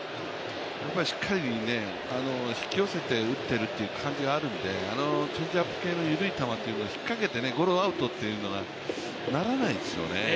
しっかり引き寄せて打ってるという感じがあるのでチェンジアップ系の緩い球を引っかけてゴロアウトっていうのがならないですよね。